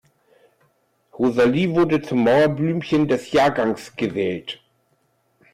Rosalie wurde zum Mauerblümchen des Jahrgangs gewählt.